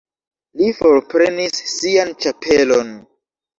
Li forprenis sian ĉapelon.